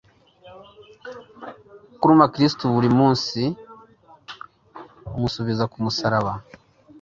Kuruma kristu buri munsi umusubiza ku musaraba